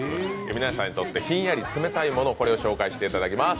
皆さんにとってひんやり冷たいものを紹介していただきます。